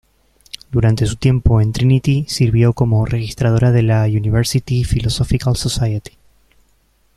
Durante su tiempo en Trinity sirvió como registradora de la University Philosophical Society.